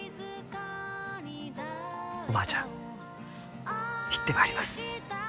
おばあちゃん行ってまいります。